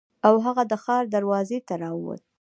او هغه د ښار دروازې ته راووت.